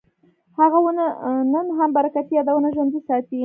هغه ونه نن هم برکتي یادونه ژوندي ساتي.